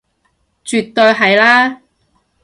絕對係啦